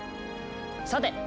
さて！